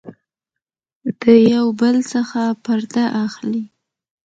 د يو بل څخه پرده اخلي